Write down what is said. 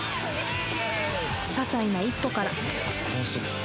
ささいな一歩から